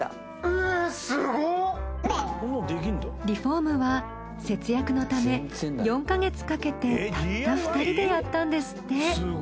リフォームは節約のため４ヵ月かけてたった２人でやったんですって。